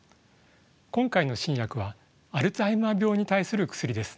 今回の新薬はアルツハイマー病に対する薬です。